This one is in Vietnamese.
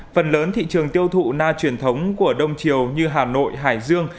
phần lớn thị trường tiêu thụ na truyền thống của đông triều như hà nội hải dương